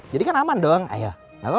jadikan aman dong ayo